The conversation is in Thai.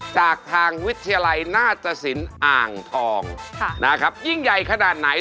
จากทางวิทยาลัยนาตสินอ่างทองนะครับยิ่งใหญ่ขนาดไหน